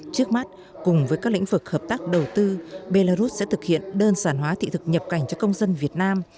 trước mắt cùng với các lĩnh vực hợp tác đầu tư belarus sẽ thực hiện đơn giản hóa thị thực nhập cảnh cho công dân việt nam